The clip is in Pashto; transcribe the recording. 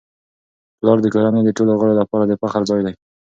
پلار د کورنی د ټولو غړو لپاره د فخر ځای دی.